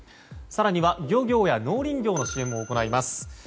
更には漁業や農林業の支援も行います。